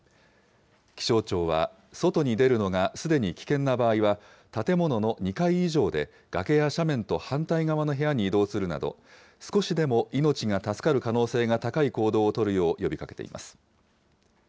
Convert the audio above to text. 気象庁は外に出るのがすでに危険な場合は、建物の２階以上で、崖や斜面と反対側の部屋に移動するなど、少しでも命が助かる可能性が高い行動を取るよう呼びかけています。